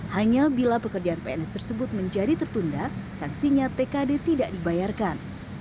hanya bila pekerjaan pns tersebut menjadi tertunda sanksinya tkd tidak dibayarkan